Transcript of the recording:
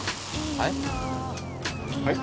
はい？